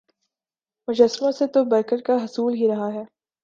مجسموں سے تو برکت کا حصول ہو ہی رہا ہے